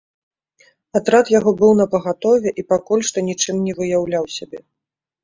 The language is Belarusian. Атрад яго быў напагатове і пакуль што нічым не выяўляў сябе.